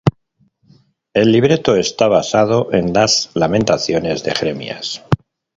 El libreto está basado en las lamentaciones de Jeremías.